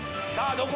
どこ？